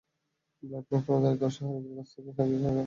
Bloodman কোনো দরিদ্র অসহায় রোগীর কাছ থেকে সার্ভিস চার্জ রাখে না।